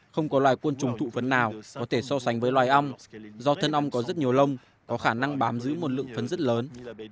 không có loài côn trùng thụ phấn nào có thể so sánh với loài ong do thân ong có rất nhiều lông có khả năng bám giữ một lượng phấn rất lớn